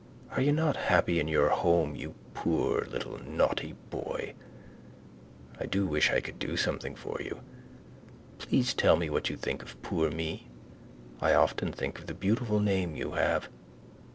Are you not happy in your home you poor little naughty boy? I do wish I could do something for you. Please tell me what you think of poor me. I often think of the beautiful name you have.